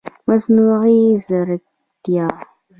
مصنوعي ځرکتیا